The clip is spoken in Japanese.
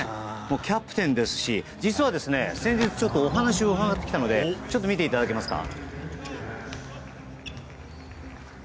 キャプテンですし実は先日お話を伺ってきたので見ていただけますか。